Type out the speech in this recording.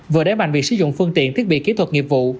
vừa đáy mạnh việc sử dụng phương tiện thiết bị kỹ thuật nghiệp vụ